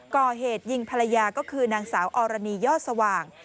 ก่อเหตุยิงภรรยาก็คือนางสาวอรณียอดสว่าง